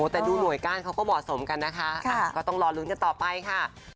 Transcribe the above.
แต่ดูหน่วยก้านเขาก็เหมาะสมกันนะคะก็ต้องรอลุ้นกันต่อไปค่ะ